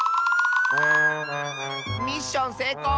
ミッションせいこう！